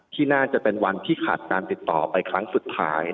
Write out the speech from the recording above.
ที่น่าจะเป็นวันที่ขาดการติดต่อไปครั้งสุดท้าย